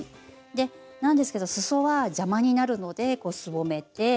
でなんですけどすそは邪魔になるのですぼめて。